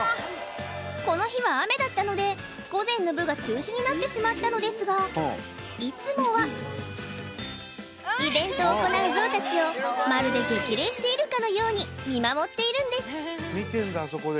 この日は雨だったので午前の部が中止になってしまったのですがいつもはイベントを行うゾウたちをまるで激励しているかのように見守っているんです